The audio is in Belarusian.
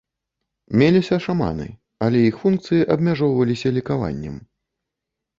Меліся шаманы, але іх функцыі абмяжоўваліся лекаваннем.